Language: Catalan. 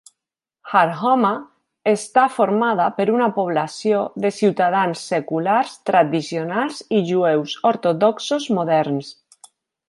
Har Homa està formada per una població de ciutadans seculars, tradicionals i jueus ortodoxos moderns.